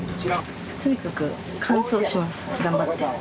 とにかく完走します、頑張って。